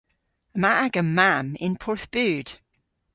Yma aga mamm yn Porthbud.